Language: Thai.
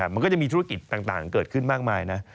มันก็จะมีธุรกิจต่างเกิดขึ้นมากมายนะ